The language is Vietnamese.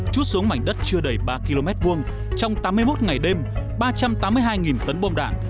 chút xuống mảnh đất chưa đầy ba km hai trong tám mươi một ngày đêm ba trăm tám mươi hai tấn bom đạn